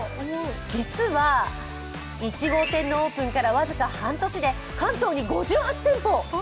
実は、１号店のオープンから僅か半年で関東に５８店舗。